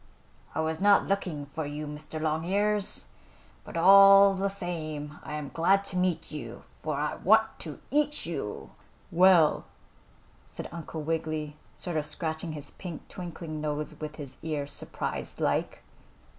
"I was not looking for you, Mr. Longears, but all the same I am glad to meet you, for I want to eat you." "Well," said Uncle Wiggily, sort of scratching his pink, twinkling nose with his ear, surprised like.